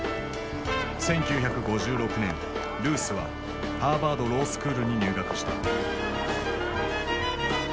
１９５６年ルースはハーバード・ロースクールに入学した。